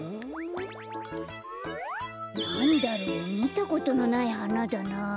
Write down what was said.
なんだろう？みたことのないはなだなあ。